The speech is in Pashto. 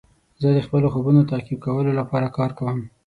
زه د خپلو خوبونو تعقیب کولو لپاره کار کوم.